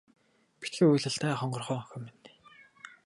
Битгий уйл даа хонгорхон охин минь.